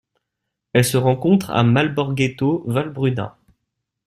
Elle se rencontre à Malborghetto-Valbruna.